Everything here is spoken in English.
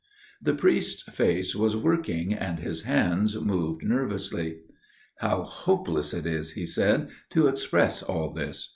The priest's face was working, and his hands moved nervously. "How hopeless it is," he said, "to express all this!